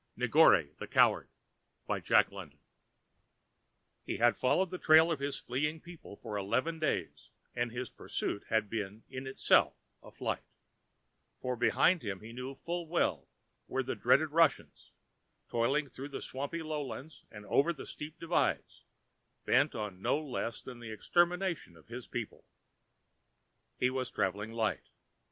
NEGORE, THE COWARD He had followed the trail of his fleeing people for eleven days, and his pursuit had been in itself a flight; for behind him he knew full well were the dreaded Russians, toiling through the swampy lowlands and over the steep divides, bent on no less than the extermination of all his people. He was travelling light.